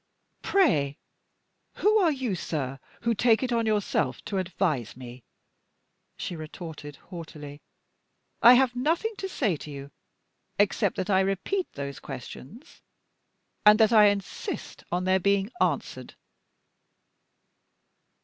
"Pray who are you, sir, who take it on yourself to advise me?" she retorted, haughtily. "I have nothing to say to you, except that I repeat those questions, and that I insist on their being answered."